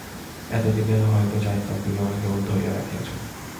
এত দিনে হয় তো যাইতাম, তুমি কেবল আমাকে ধরিয়া রাখিয়াছ।